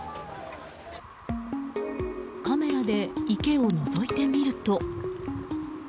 カメラで池をのぞいてみると。